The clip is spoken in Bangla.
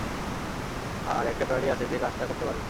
আর একটা প্রাণীই আছে, যে কাজটা করতে পারবে।